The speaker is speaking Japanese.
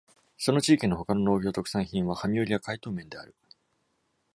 その地域の他の農業特産品は、ハミウリや海島綿である。